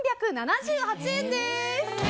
味３７８円です。